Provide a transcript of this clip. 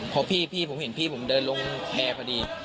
เพราะพี่ผมเห็นพี่ผมเดินลงแอร์พอดี